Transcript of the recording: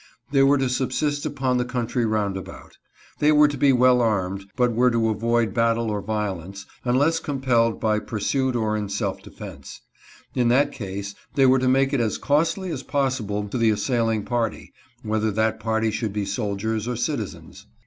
They were to subsist upon the country roundabout. They were to be well armed, but were to avoid battle or violence, unless compelled by pursuit or in self defence. In that case, they were to make it as costly as possible to the assailing party, whether that party should be soldiers or citizens.